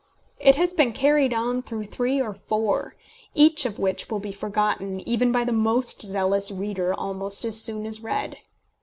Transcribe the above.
It has been carried on through three or four, each of which will be forgotten even by the most zealous reader almost as soon as read.